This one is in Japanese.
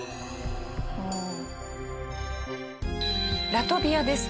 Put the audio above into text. ラトビアです。